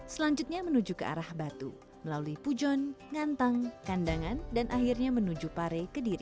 selanjutnya menuju ke arah batu melalui pujon ngantang kandangan dan akhirnya menuju pare kediri